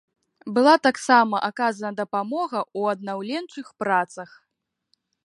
Была таксама аказана дапамога ў аднаўленчых працах.